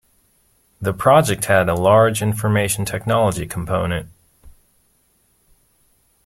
The project had a large information technology component.